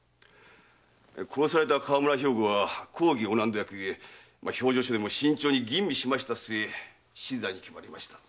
殺された河村兵庫は公儀御納戸役ゆえ評定所でも慎重に吟味しましたすえ死罪に決まりました。